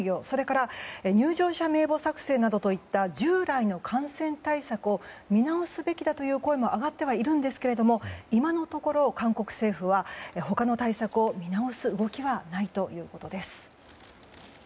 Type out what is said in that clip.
それから入場者名簿作成などといった従来の感染対策を見直すべきだという声も上がってはいるんですけれど今のところ韓国政府は他の対策を見直す動きはないということです。